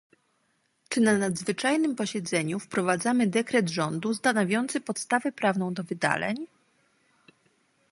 czy na nadzwyczajnym posiedzeniu wprowadzamy dekret rządu stanowiący podstawę prawną do wydaleń?